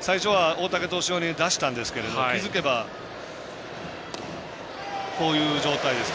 最初は大竹選手用に出したんですけど気付けば、こういう状態です。